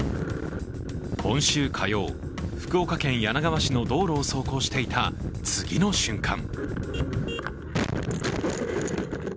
今週火曜、福岡県柳川市の道路を走行していた次の瞬間